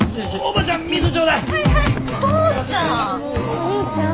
お兄ちゃん？